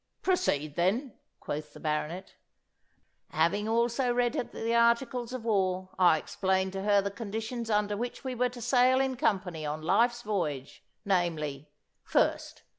'Proceed, then,' quoth the Baronet. '"Having also read her the articles of war, I explained to her the conditions under which we were to sail in company on life's voyage, namely:"' '"First.